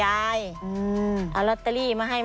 อันดับสุดท้าย